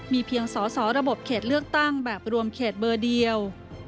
มีเพียงสอสอระบบเขตเลือกตั้งแบบรวมเขตเบอร์เดียว